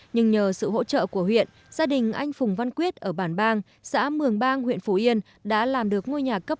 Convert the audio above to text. nhưng nhờ sự hỗ trợ của huyện gia đình anh phùng văn quyết ở bản bang xã mường bang huyện phủ yên đã làm được ngôi nhà cấp